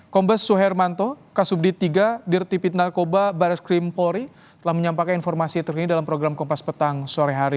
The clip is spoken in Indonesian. kombes suhermanto kasubdit tiga dirtipit narkoba baris krim polri telah menyampaikan informasi terkini dalam program kompas petang sore hari